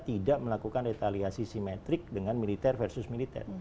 tidak melakukan retaliasi simetrik dengan militer versus militer